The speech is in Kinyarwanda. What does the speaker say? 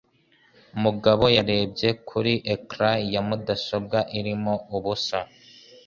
Mugabo yarebye kuri ecran ya mudasobwa irimo ubusa.